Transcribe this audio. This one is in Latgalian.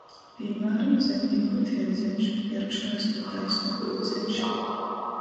Pīmāram, zemnīku tierdzeņš, pierkšonys pa taisnū puļceņš.